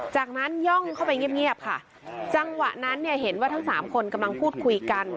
จากนั้นย่องเข้าไปเงียบเงียบค่ะจังหวะนั้นเนี่ยเห็นว่าทั้งสามคนกำลังพูดคุยกัน